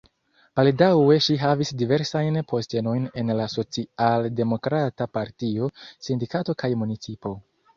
Baldaŭe ŝi havis diversajn postenojn en la socialdemokrata partio, sindikato kaj municipo.